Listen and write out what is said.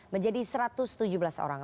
menjadi satu ratus tujuh belas orang